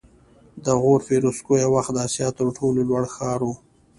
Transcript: د غور فیروزکوه یو وخت د اسیا تر ټولو لوړ ښار و